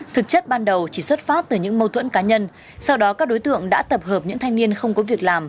thực chất ban đầu chỉ xuất phát từ những mâu thuẫn cá nhân sau đó các đối tượng đã tập hợp những thanh niên không có việc làm